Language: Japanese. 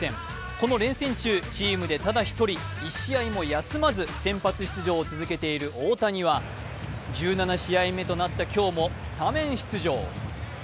この連戦中、チームでただ１人、１試合も休まず先発出場を続けている大谷は１７試合目となった今日もスタメン出場。